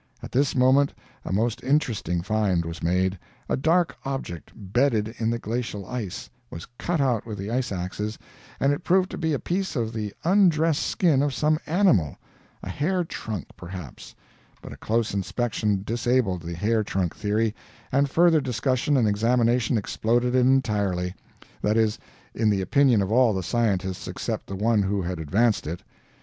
At this moment a most interesting find was made; a dark object, bedded in the glacial ice, was cut out with the ice axes, and it proved to be a piece of the undressed skin of some animal a hair trunk, perhaps; but a close inspection disabled the hair trunk theory, and further discussion and examination exploded it entirely that is, in the opinion of all the scientists except the one who had advanced it.